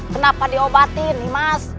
kenapa diobatin nimas